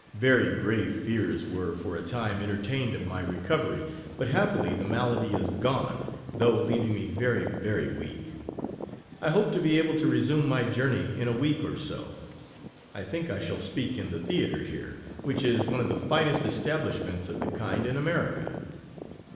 Very grave fears were for a time entertained of my recovery, but happily the malady is gone, though leaving me very, very weak. I hope to be able to resume my journey in a week or so. I think I shall speak in the Theater here, which is one of the finest establishments of the kind in America.